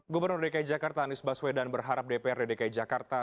gubernur dki jakarta anies baswedan berharap dprd dki jakarta